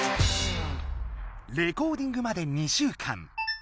レコーディングまで２週間。